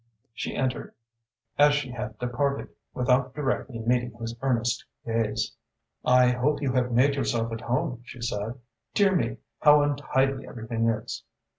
She entered, as she had departed, without directly meeting his earnest gaze. "I hope you have made yourself at home," she said. "Dear me, how untidy everything is!"